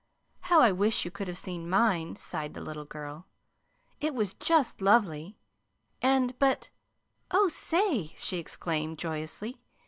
How I wish you could have seen mine!" sighed the little girl. "It was just lovely, and But, oh, say!" she exclaimed joyously.